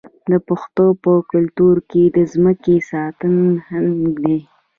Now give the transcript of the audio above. د پښتنو په کلتور کې د ځمکې ساتل ننګ دی.